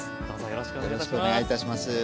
どうぞよろしくお願いいたしします。